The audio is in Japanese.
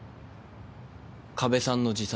加部さんの自殺。